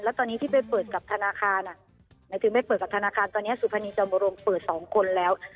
แล้วตอนนี้ที่ไปเปิดกับธนาคารหมายถึงไปเปิดกับธนาคารตอนนี้สุพรรณีจอมบรมเปิดสองคนแล้ว